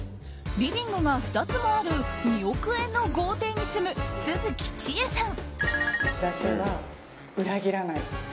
リビングが２つもある２億円の豪邸に住む續智恵さん。